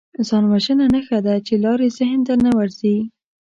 ځانوژنه نښه ده چې لارې ذهن ته نه ورځي